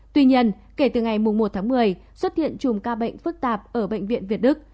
tuy nhiên kể từ ngày một tháng một mươi xuất hiện chùm ca bệnh phức tạp ở bệnh viện việt đức